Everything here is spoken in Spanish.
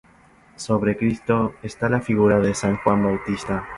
Sobre el Cristo está la figura de san Juan Bautista.